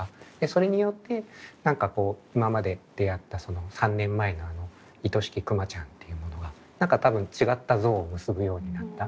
それによって何かこう今まで出会ったその３年前のあのいとしきくまちゃんっていうものが何か多分違った像を結ぶようになった。